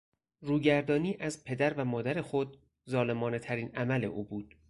روگردانی از پدر و مادر خود ظالمانهترین عمل او بود.